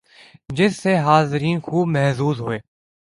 جس سے حاضرین خوب محظوظ ہوئے